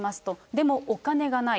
でもお金がない。